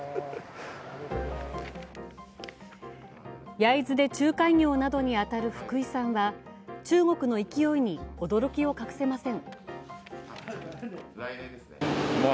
焼津で仲介業などに当たる福井さんは中国の勢いに驚きを隠せません。